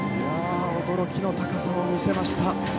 驚きの高さを見せました。